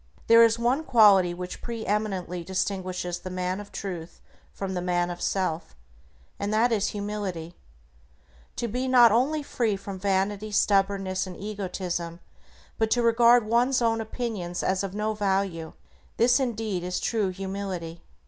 There is one quality which pre eminently distinguishes the man of Truth from the man of self, and that is humility. To be not only free from vanity, stubbornness and egotism, but to regard one's own opinions as of no value, this indeed is true humility.